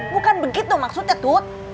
bukan begitu maksudnya tut